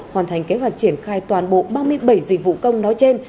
hoàn thành kế hoạch triển khai toàn bộ ba mươi bảy dịch vụ công nói trên